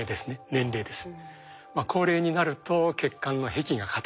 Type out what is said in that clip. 年齢です。